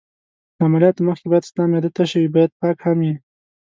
له عملیاتو مخکې باید ستا معده تشه وي، باید پاک هم یې.